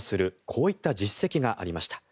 こういった実績がありました。